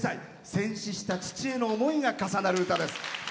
戦死した父への思いが重なる歌です。